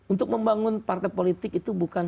untuk membangun partai politik itu bukan